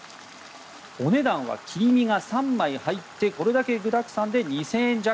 お値段は切り身が３枚入ってこれだけ具沢山で２０００円弱。